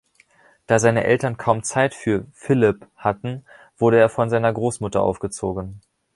Da seine Eltern kaum Zeit für "Phillip" hatten, wurde er von seiner Großmutter aufgezogen.